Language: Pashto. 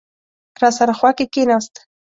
راسره خوا کې کېناست.